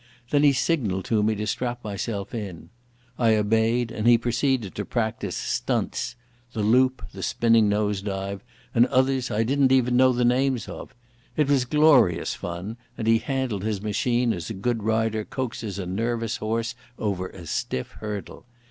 Then he signalled to me to strap myself in. I obeyed, and he proceeded to practise "stunts"—the loop, the spinning nose dive, and others I didn't know the names of. It was glorious fun, and he handled his machine as a good rider coaxes a nervous horse over a stiff hurdle.